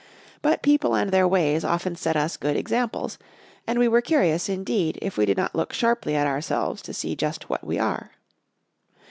But people and their ways often set us good examples; and we were curious, indeed, if we did not look sharply at ourselves to see just what we are.